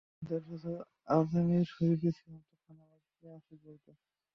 আমি বছর দশেক আজমির শরিফে ছিলাম, তখন লোকে আমাকে আশিক বলত।